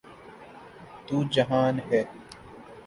تو جہان ہے۔